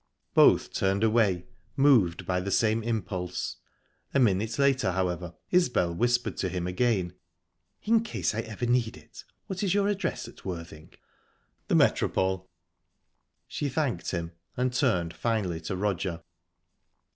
Both turned away, moved by the same impulse. A minute later, however, Isbel whispered to him again: "In case I ever need it, what is your address at Worthing?" "The Metropole." She thanked him, and turned finally to Roger.